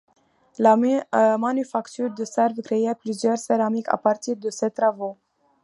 La Manufacture de Sèvres crée plusieurs céramiques à partir de ses travaux.